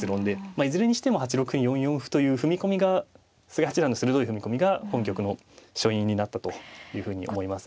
いずれにしても８六歩に４四歩という踏み込みが菅井八段の鋭い踏み込みが本局の勝因になったというふうに思います。